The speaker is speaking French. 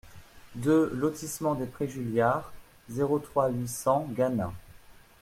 deux lotissement des Prés Juliards, zéro trois, huit cents Gannat